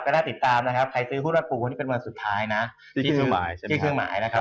ก็น่าติดตามนะครับใครซื้อหุ้นมาปลูกวันนี้เป็นวันสุดท้ายนะที่เครื่องหมายนะครับ